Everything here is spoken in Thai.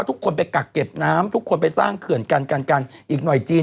ทุกคนไปกักเก็บน้ำทุกคนไปสร้างเขื่อนกันกันอีกหน่อยจีน